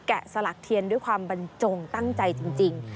สลักเทียนด้วยความบรรจงตั้งใจจริง